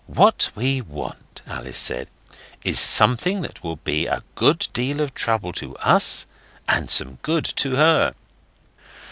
'What we want,' Alice said, 'is something that will be a good deal of trouble to us and some good to her.